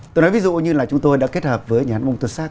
tôi nói ví dụ như là chúng tôi đã kết hợp với nhán bông tuất sát